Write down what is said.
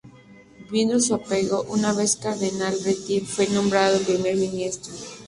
Viviendo su apogeo una vez el Cardenal Richelieu fue nombrado primer ministro.